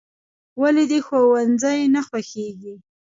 "ولې دې ښوونځی نه خوښېږي؟"